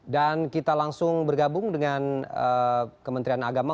dan kita langsung bergabung dengan kementerian agama